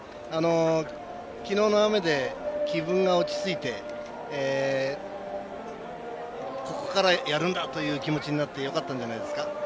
きのうの雨で気分が落ち着いてここから、やるんだという気持ちになってよかったんじゃないですか。